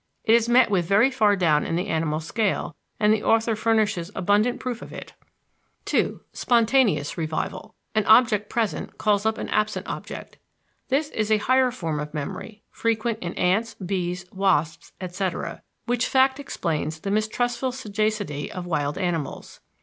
It is met with very far down in the animal scale, and the author furnishes abundant proof of it. 2. Spontaneous revival. An object present calls up an absent object. This is a higher form of memory, frequent in ants, bees, wasps, etc., which fact explains the mistrustful sagacity of wild animals.